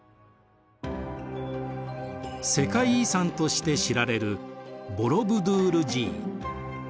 世界遺産として知られるボロブドゥール寺院。